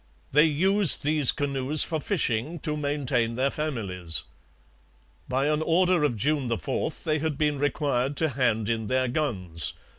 They used these canoes for fishing to maintain their families. By an order of June 4 they had been required to hand in their guns.